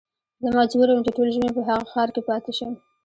زه مجبور وم چې ټول ژمی په هغه ښار کې پاته شم.